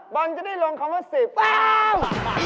บอลจะได้ลงคำว่า๑๐อ้าว